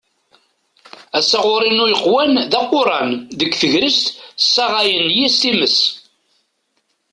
Asɣar-inu yeqwan d aquran, deg tegrest ssaɣayen yis-s timas.